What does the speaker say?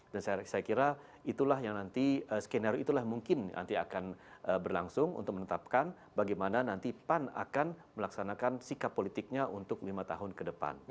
dan saya kira itulah yang nanti skenario itulah mungkin nanti akan berlangsung untuk menetapkan bagaimana nanti pan akan melaksanakan sikap politiknya untuk lima tahun ke depan